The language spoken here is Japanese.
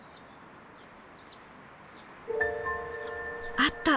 あった！